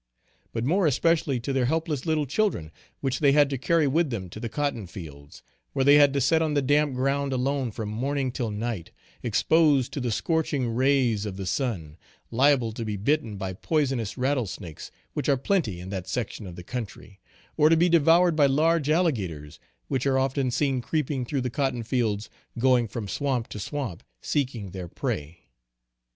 But more especially to their helpless little children, which they had to carry with them to the cotton fields, where they had to set on the damp ground alone from morning till night, exposed to the scorching rays of the sun, liable to be bitten by poisonous rattle snakes which are plenty in that section of the country, or to be devoured by large alligators, which are often seen creeping through the cotton fields going from swamp to swamp seeking their prey.